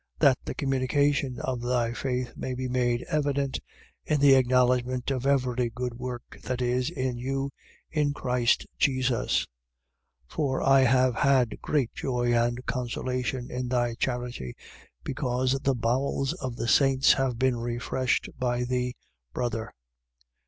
That the communication of thy faith may be made evident in the acknowledgment of every good work that is in you in Christ Jesus. 1:7. For I have had great joy and consolation in thy charity, because the bowels of the saints have been refreshed by thee, brother.